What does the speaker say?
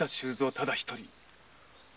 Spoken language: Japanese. ただ一人。